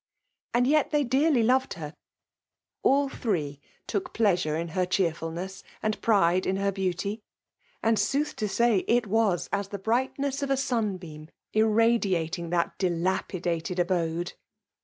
And yet they dearly loved her. All three took pleasure in her cheerfulness, and pride in her beauty ; and sooth to say, it itas as the brightness of a sunbeam, irradiat ing that dilapidated abode.